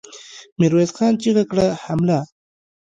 ميرويس خان چيغه کړه! حمله!